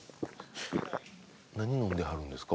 何飲んではるんですか？